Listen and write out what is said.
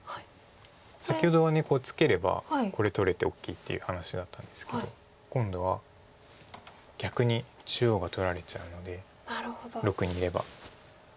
先ほどはツケればこれ取れて大きいっていう話だったんですけど。今度は逆に中央が取られちゃうので⑥にいれば。